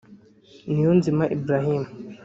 Niyonzima Ibrahim